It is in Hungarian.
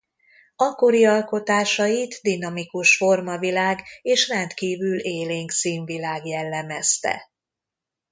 Akkori alkotásait dinamikus formavilág és rendkívül élénk színvilág jellemezte.